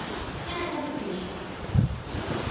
Dêr komt de polysje.